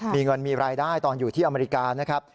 มีเงินมีรายได้ตอนอยู่ที่อเมริกานะครับ